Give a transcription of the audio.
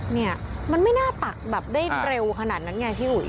เนี่ยมันไม่น่าตักแบบได้เร็วขนาดนั้นไงพี่อุ๋ย